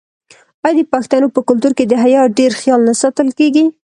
آیا د پښتنو په کلتور کې د حیا ډیر خیال نه ساتل کیږي؟